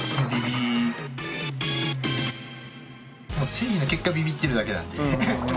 誠意の結果ビビってるだけなんで。